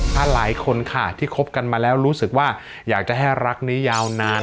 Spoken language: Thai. ถ้าหลายคนค่ะที่คบกันมาแล้วรู้สึกว่าอยากจะให้รักนี้ยาวนาน